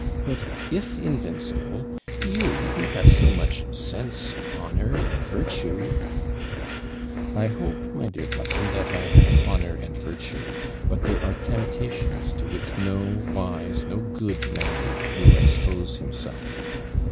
But, if invincible, you who have so much sense, honour, and virtue ' 'I hope, my dear cousin, that I have honour and virtue. But there are temptations to which no wise, no good man will expose himself.